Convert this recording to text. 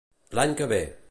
L'any que ve.